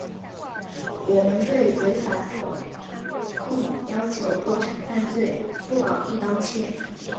我们对违反管控要求构成犯罪不搞‘一刀切’